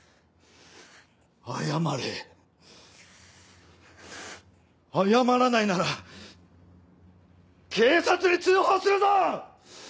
謝れ謝らないなら警察に通報するぞ‼